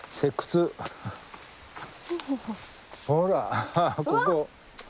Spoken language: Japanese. ほらここ。